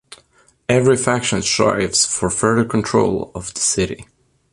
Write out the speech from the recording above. Every faction strives for further control of the city.